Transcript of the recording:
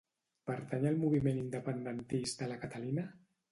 Pertany al moviment independentista la Catalina?